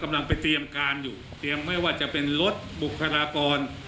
กำลังไปเตรียมการอยู่เตรียมไม่ว่าจะเป็นรถบุคลากร